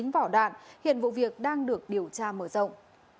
bốn vỏ đạn hiện vụ việc đang được điều tra mở rộng